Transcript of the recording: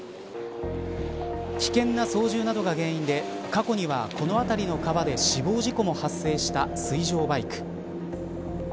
危険な操縦などが原因で過去には、この辺りの川で死亡事故も発生した水上バイク。